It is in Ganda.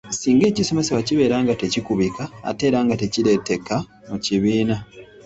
Singa ekisomesebwa kibeera nga tekikubika ate era nga tekireeteka mu kibiina.